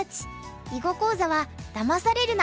囲碁講座は「だまされるな！